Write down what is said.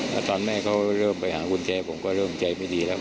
แล้วตอนแม่เขาเริ่มไปหากุญแจผมก็เริ่มใจไม่ดีแล้ว